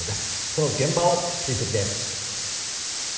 その現場を追跡です。